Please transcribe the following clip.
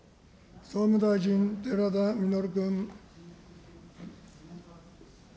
総務大臣、寺田稔君。